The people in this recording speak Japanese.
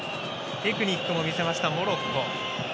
テクニックも見せましたモロッコ。